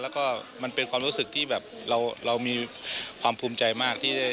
แล้วก็มันเป็นความรู้สึกที่แบบเรามีความภูมิใจมากที่ได้